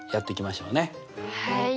はい。